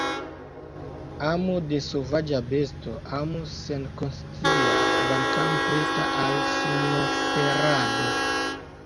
Amo de sovaĝa besto, amo senkonscia, kvankam preta al sinoferado.